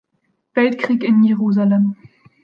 Weltkrieg in Jerusalem.